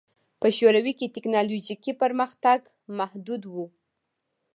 په شوروي کې ټکنالوژیکي پرمختګ محدود و